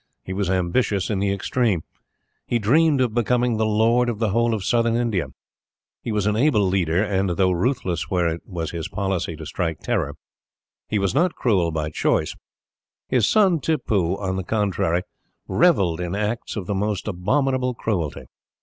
He was ambitious in the extreme. He dreamed of becoming the Lord of the whole of Southern India. He was an able leader, and, though ruthless where it was his policy to strike terror, he was not cruel from choice. His son, Tippoo, on the contrary, revelled in acts of the most abominable cruelty.